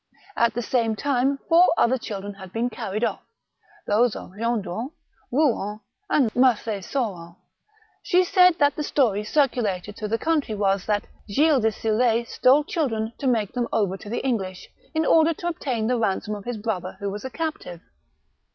At the same time four other children had been carried off, those of Gendron, Eouen, and Mac^ Sorin. She said that the story circulated through the country was, that Gilles de Sill6 stole children to make them over to the English, in order to obtain the ransom of his brother who was a captive.